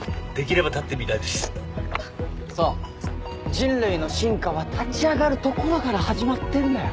人類の進化は立ち上がるところから始まってんだよ。